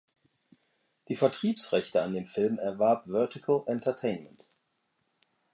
Die Vertriebsrechte an dem Film erwarb "Vertical Entertainment".